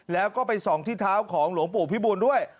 แล้วก็ไปส่องที่เท้าของหลวงปู่พิบูลด้วย